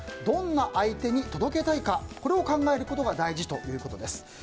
どんな相手に届けたいかこれを考えることが大事ということです。